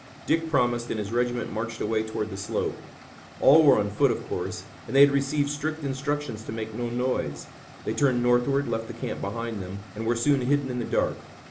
Dick promised and his regiment marched away toward the slope. All were on foot, of course, and they had received strict instructions to make no noise. They turned northward, left the camp behind them, and were soon hidden in the dark.